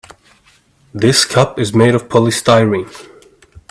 This cup is made of polystyrene.